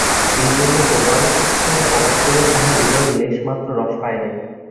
এইজন্য গোরার সঙ্গে আলাপ করিয়া তাঁহার হৃদয় লেশমাত্র রস পায় নাই।